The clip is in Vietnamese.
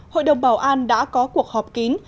hội đồng bảo an đã có cuộc họp kín